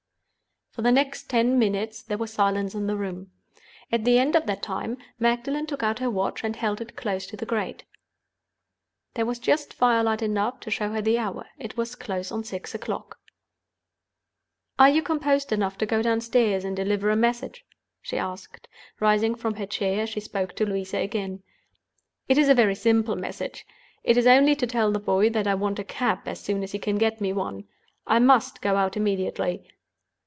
For the next ten minutes there was silence in the room. At the end of that time Magdalen took out her watch and held it close to the grate. There was just firelight enough to show her the hour. It was close on six o'clock. "Are you composed enough to go downstairs and deliver a message?" she asked, rising from her chair as she spoke to Louisa again. "It is a very simple message—it is only to tell the boy that I want a cab as soon as he can get me one. I must go out immediately.